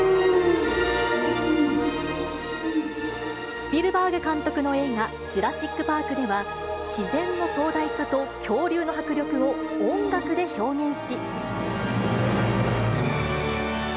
スピルバーグ監督の映画、ジュラシック・パークでは、自然の壮大さと恐竜の迫力を音楽で表現し。